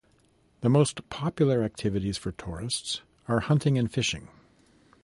The most popular activities for tourists are hunting and fishing.